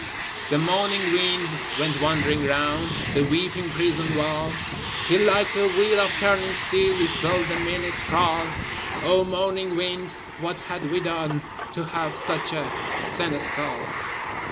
The moaning wind went wandering round The weeping prison wall: Till like a wheel of turning steel We felt the minutes crawl: O moaning wind! what had we done To have such a seneschal?